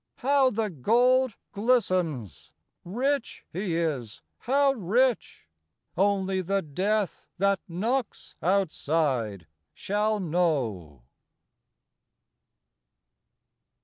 How the gold glistens! Rich he is; how rich Only the death that knocks outside shall know.